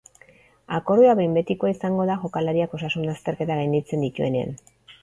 Akordioa behin betikoa izango da jokalariak osasun-azterketak gainditzen dituenean.